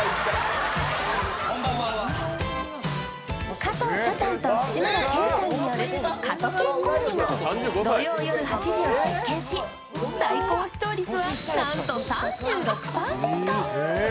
加藤茶さんと志村けんさんによる加トケンコンビが土曜夜８時を席巻し、最高視聴率はなんと３６％。